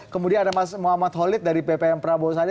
kemudian ada mas muhammad holid dari ppm prabowo sandi